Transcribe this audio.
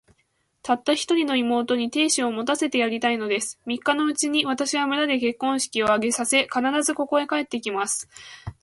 たった一人の妹に、亭主を持たせてやりたいのです。三日のうちに、私は村で結婚式を挙げさせ、必ず、ここへ帰って来ます。